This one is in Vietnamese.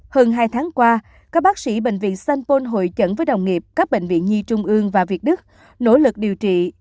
hơn hai tháng qua các bác sĩ bệnh viện sanh pôn hội chẩn với đồng nghiệp các bệnh viện nhi trung ương và việt đức nỗ lực điều trị